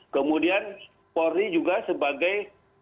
kemudian polri juga sebagai